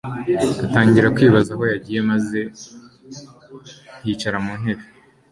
atangira kwibaza aho yagiye maze yicara mu ntebe